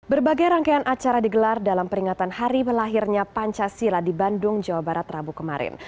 berbagai rangkaian acara digelar dalam peringatan hari belahirnya pancasila di bandung jawa barat rabu kemarin